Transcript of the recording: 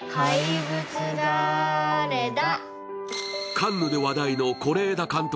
カンヌで話題の是枝監督